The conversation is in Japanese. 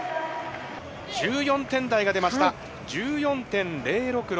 １４点台が出ました。１４．０６６。